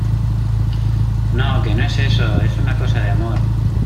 no, que no es eso. esto es una cosa de amor .